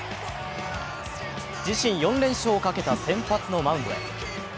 自身４連勝をかけた先発のマウンドへ。